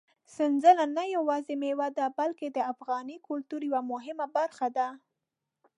سنځله نه یوازې مېوه ده، بلکې د افغاني کلتور یوه مهمه برخه ده.